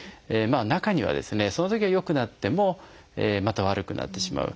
中にはそのときは良くなってもまた悪くなってしまう。